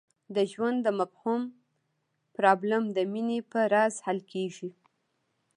د ژوند د مفهوم پرابلم د مینې په راز حل کېږي.